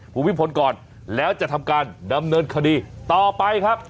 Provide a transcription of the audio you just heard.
ภูมิพลก่อนแล้วจะทำการดำเนินคดีต่อไปครับ